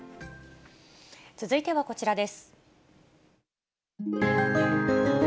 続いてはこちらです。